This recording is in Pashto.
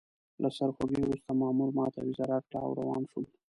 له سرخوږي وروسته مامور ماته ویزه راکړه او روان شوم.